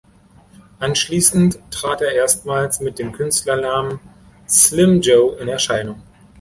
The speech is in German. Anschließend trat er erstmals mit dem Künstlernamen „Slim Joe“ in Erscheinung.